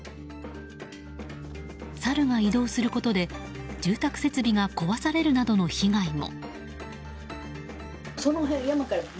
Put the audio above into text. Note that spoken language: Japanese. サルが移動することで住宅設備が壊されるなどの被害も。